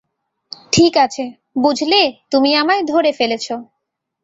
ঠিক আছে, বুঝলে, তুমি আমায় ধরে ফেলেছ।